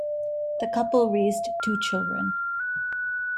The couple raised two children.